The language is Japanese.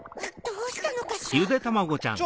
どうしたのかしら？